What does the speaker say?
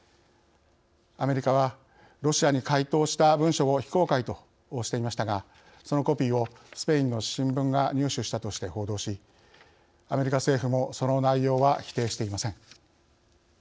アメリカはロシアに回答した文書を非公開としていましたがそのコピーをスペインの新聞が入手したとして報道しアメリカ政府もその内容は否定していません。